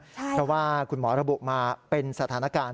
เพราะว่าคุณหมอระบุมาเป็นสถานการณ์